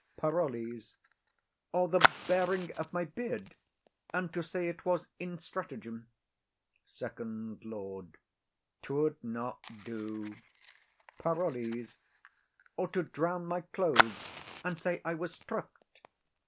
PAROLLES. Or the baring of my beard, and to say it was in stratagem. FIRST LORD. [Aside.] 'Twould not do. PAROLLES. Or to drown my clothes, and say I was stripped.